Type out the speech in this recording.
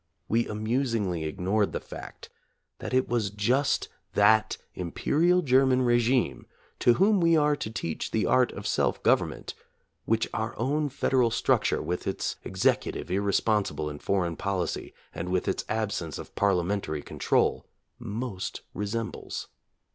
We amusingly ignored the fact that it was just that Imperial German regime, to whom we are to teach the art of self government, which our own Federal struc ture, with its executive irresponsible in foreign policy and with its absence of parliamentary con trol, most resembles.